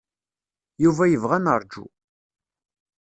Yuba yebɣa ad neṛju.